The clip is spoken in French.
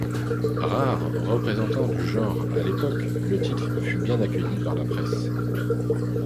Rare représentant du genre à l'époque, le titre fut bien accueilli par la presse.